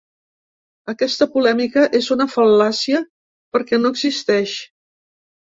Aquesta polèmica és una fal·làcia perquè no existeix.